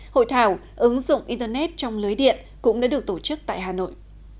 hội thảo ứng dụng internet trong lưới điện cũng đã được tổ chức tại hà nội